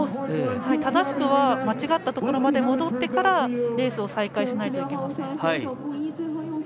正しくは間違ったところまで戻ってからレースを再開しないといけません。